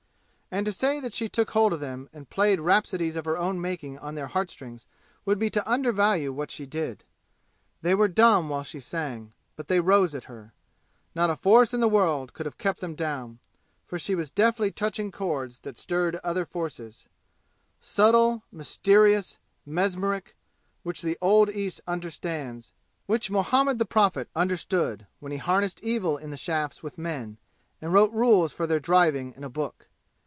And to say that she took hold of them and played rhapsodies of her own making on their heart strings would be to undervalue what she did. They were dumb while she sang, but they rose at her. Not a force in the world could have kept them down, for she was deftly touching cords that stirred other forces subtle, mysterious, mesmeric, which the old East understands which Muhammad the Prophet understood when he harnessed evil in the shafts with men and wrote rules for their driving in a book.